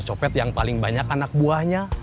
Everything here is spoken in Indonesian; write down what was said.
jadi bos copet yang paling banyak anak buahnya